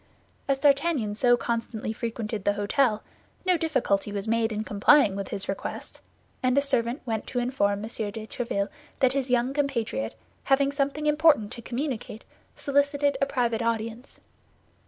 As D'Artagnan so constantly frequented the hôtel, no difficulty was made in complying with his request, and a servant went to inform M. de Tréville that his young compatriot, having something important to communicate, solicited a private audience.